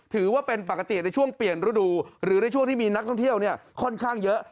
ถือว่าเป็นปกติในช่วงเปลี่ยนฤดูหรือในช่วงที่มีนักท่องเที่ยวค่อนข้างเยอะ